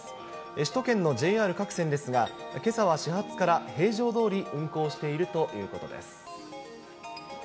首都圏のＪＲ各線ですが、けさは始発から平常どおり運行しているということです。